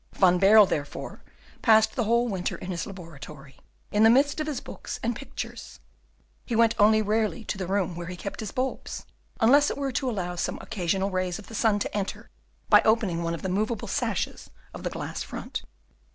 Van Baerle, therefore, passed the whole winter in his laboratory, in the midst of his books and pictures. He went only rarely to the room where he kept his bulbs, unless it were to allow some occasional rays of the sun to enter, by opening one of the movable sashes of the glass front.